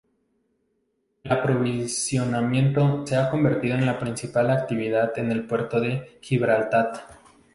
El aprovisionamiento, se ha convertido en la principal actividad en el Puerto de Gibraltar.